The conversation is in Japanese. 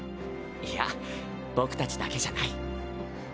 いや僕たちだけじゃない。